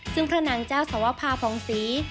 ซึ่งพระนางเจ้าสวภาพองศรี